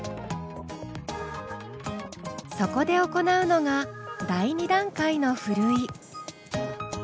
そこで行うのが第２段階のふるい。